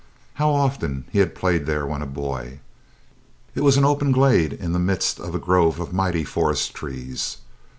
How often he had played there when a boy! It was an open glade in the midst of a grove of mighty forest trees.